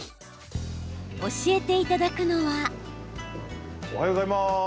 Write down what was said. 教えていただくのは。